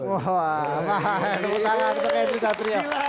tepuk tangan untuk edwin katria